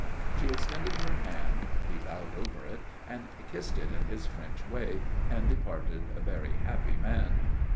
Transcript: She extended her hand. He bowed over it and kissed it in his French way and departed a very happy man.